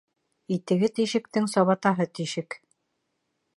Итеге тишектең сабатаһы тишек.